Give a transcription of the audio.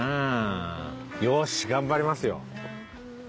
よし頑張りますよ。